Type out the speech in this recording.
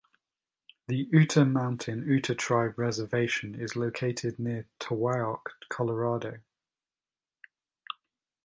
The Ute Mountain Ute Tribe Reservation is located near Towaoc, Colorado.